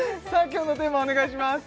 今日のテーマお願いします